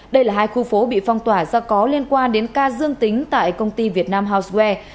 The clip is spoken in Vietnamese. đây là hai khu phố bị phong tỏa do có liên quan đến ca dương tính tại công ty việt nam housewer